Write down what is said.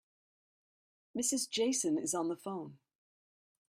Mrs. Jason is on the phone.